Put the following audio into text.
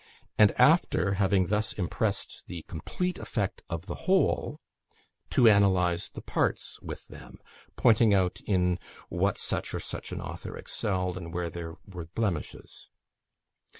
and after having thus impressed the complete effect of the whole, to analyse the parts with them, pointing out in what such or such an author excelled, and where were the blemishes.